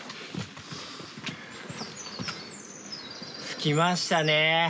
着きましたね。